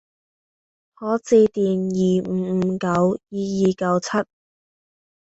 可致電二五五九二二九七